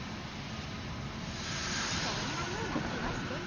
そんなようなきはしてたよ。